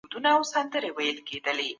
وهڅوي